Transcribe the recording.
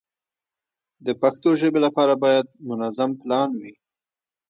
د پښتو ژبې لپاره باید منظم پلان وي.